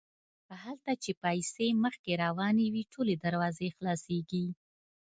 هلته چې پیسې مخکې روانې وي ټولې دروازې خلاصیږي.